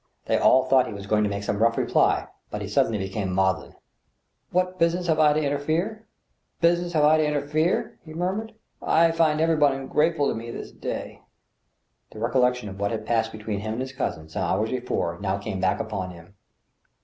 They all thought he was going to make some rough reply, but he sud denly became maudlin. " What business have I to interfere, ... business have I to in terfere ?" he murmured. " I find everybody ungrateful to me this day." The recollection of what had passed between him and his cousin, some hours before, now came back upon him.